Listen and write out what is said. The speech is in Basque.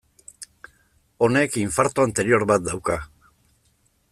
Honek infarto anterior bat dauka.